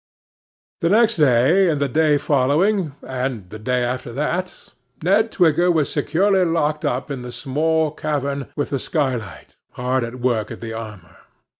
The next day, and the day following, and the day after that, Ned Twigger was securely locked up in the small cavern with the sky light, hard at work at the armour.